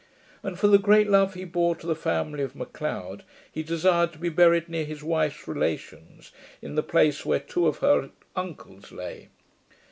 And, for the great love he bore to the family of MAC LEOD, he desired to be buried near his wife's relations, in the place where two of her uncles lay.